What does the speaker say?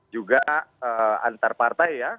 juga antar partai ya